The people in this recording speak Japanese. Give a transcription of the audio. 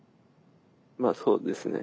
まあそうですね。